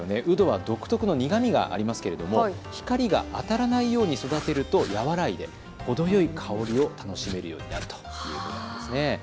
ウドは独特の苦みがありますけれども光が当たらないように育てると苦みが和らいでほどよい香りを楽しめるようになるということなんです。